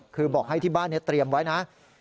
คือบอกให้ที่บ้านนี้เตรียมไว้นะ